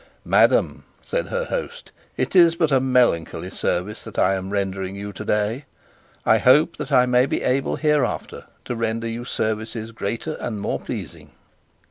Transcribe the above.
"Madam," said her host, "it is but a melancholy service that I am rendering you to day. I hope that I may be able hereafter to render you services greater and more pleasing."